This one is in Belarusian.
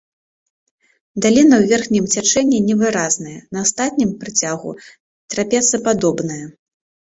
Даліна ў верхнім цячэнні невыразная, на астатнім працягу трапецападобная.